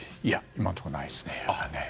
今のところないですね。